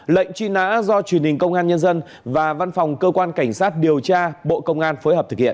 lệnh truy nã do truyền hình công an nhân dân và văn phòng cơ quan cảnh sát điều tra bộ công an phối hợp thực hiện